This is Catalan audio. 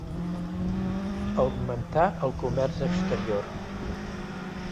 Augmentà el comerç exterior.